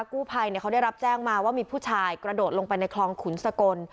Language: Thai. กู้ภัยเขาได้รับแจ้งมาว่ามีผู้ชายกระโดดลงไปในคลองขุนสกล